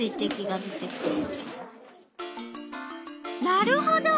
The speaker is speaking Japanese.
なるほど。